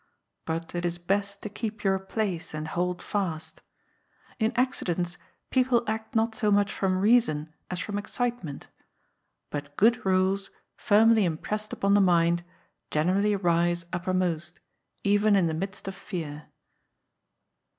But it is best to keep your place, and hold fast. In accidents people act not so much from reason as from excitement: but good rules, firmly impressed upon the mind, generally rise uppermost, even in the midst of fear.